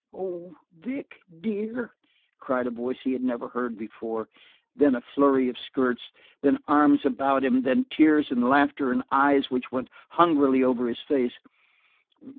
"Oh, Vic, dear!" cried a voice he had never heard before. Then a flurry of skirts, then arms about him, then tears and laughter, and eyes which went hungrily over his face.